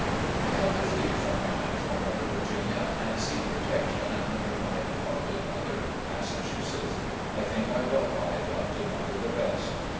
I had to flee from my natural mother, Virginia, and seek protection under my adopted mother. Massachusetts. I think I love my adopted mother the best.